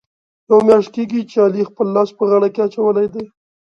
یوه میاشت کېږي، چې علي خپل لاس په غاړه کې اچولی دی.